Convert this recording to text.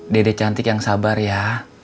dede cantik yang sabar ya